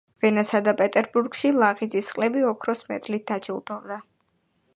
ვენასა და პეტერბურგში ლაღიძის წყლები ოქროს მედლით დაჯილდოვდა.